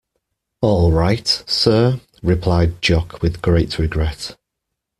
All right, Sir, replied Jock with great regret.